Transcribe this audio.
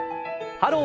「ハロー！